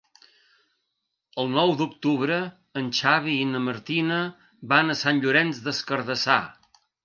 El nou d'octubre en Xavi i na Martina van a Sant Llorenç des Cardassar.